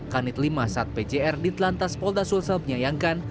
kanit lima saat pjr ditelantas polda sulsel penyayangkan